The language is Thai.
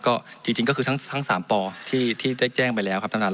ก็จริงก็คือทั้ง๓ปที่ได้แจ้งไปแล้วครับท่านท่าน